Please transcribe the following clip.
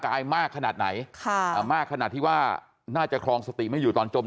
มากขนาดไหนค่ะอ่ามากขนาดที่ว่าน่าจะครองสติไม่อยู่ตอนจม